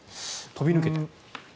飛び抜けて？